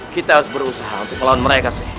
kita harus berusaha untuk melawan mereka sih